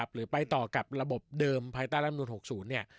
หรือไปต่อกับระบบเดิมภายใต้รัฐมนตรี๖๐